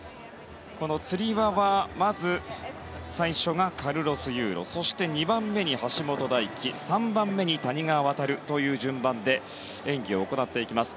このつり輪はまず最初がカルロス・ユーロそして、２番目に橋本大輝３番目に谷川航という順番で演技を行っていきます。